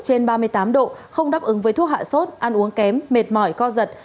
trên ba mươi tám độ không đáp ứng với thuốc hạ sốt ăn uống kém mệt mỏi co giật